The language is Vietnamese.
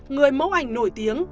người mẫu ảnh nổi tiếng